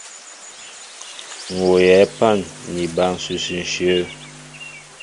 M̀ wooyɛ pân ni oba ǹsʉsʉ ǹshyə̂.